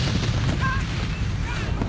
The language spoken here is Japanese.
あっ！